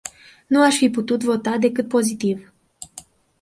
Nu aș fi putut vota decât pozitiv.